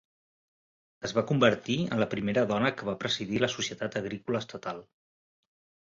Es va convertir en la primera dona que va presidir la Societat agrícola estatal.